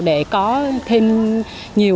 để có thêm nhiều